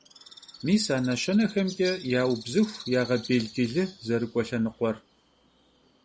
Mis a neşenexemç'e yaubzıxu, yağebêlcılı zerık'ue lhenıkhuer.